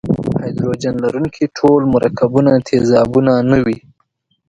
هایدروجن لرونکي ټول مرکبونه تیزابونه نه وي.